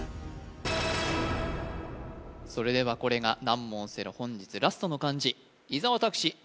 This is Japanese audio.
それではこれが難問オセロ本日ラストの漢字伊沢拓司